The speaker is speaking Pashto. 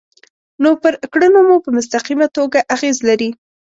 نو پر کړنو مو په مستقیمه توګه اغیز لري.